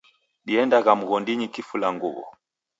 Diendagha mghondinyi kifulanguwo